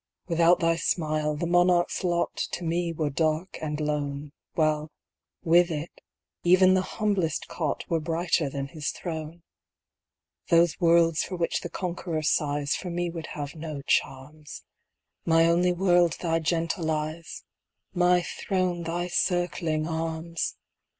Without thy smile, the monarch's lot To me were dark and lone, While, with it, even the humblest cot Were brighter than his throne. Those worlds for which the conqueror sighs For me would have no charms; My only world thy gentle eyes My throne thy circling arms!